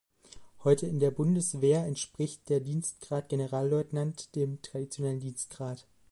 Heute in der Bundeswehr entspricht der Dienstgrad Generalleutnant dem traditionellen Dienstgrad.